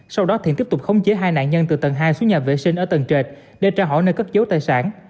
sau đó thiện tiếp tục khống chế hai nạn nhân từ tầng hai xuống nhà vệ sinh ở tầng trệt để trả hỏi nơi cất dấu tài sản